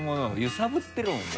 揺さぶってるもんもう。